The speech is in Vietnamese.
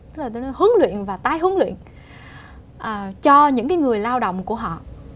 tức là tôi nói là hướng luyện và tái hướng luyện cho những người lao động của họ